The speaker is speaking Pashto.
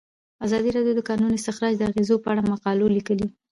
ازادي راډیو د د کانونو استخراج د اغیزو په اړه مقالو لیکلي.